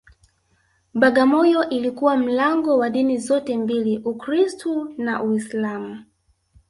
Bagamoyo ilikuwa mlango wa dini zote mbili Ukristu na Uislamu